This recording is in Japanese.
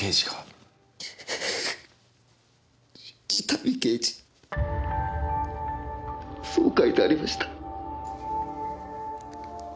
伊丹刑事そう書いてありました。